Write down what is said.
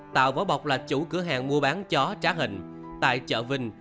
tạo vỏ bọc là chủ cửa hàng mua bán chó trá hình tại chợ vinh